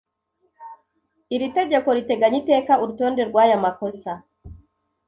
Iri tegeko riteganya iteka urutonde rw’aya makosa